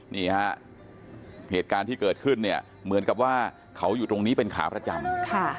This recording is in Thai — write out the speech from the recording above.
นี่ฮะเหตุการณ์ที่เกิดขึ้นเนี่ยเหมือนกับว่าเขาอยู่ตรงนี้เป็นขาประจำ